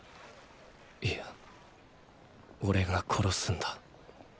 いやオレが殺すんだ。